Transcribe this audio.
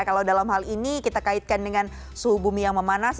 kalau dalam hal ini kita kaitkan dengan suhu bumi yang memanas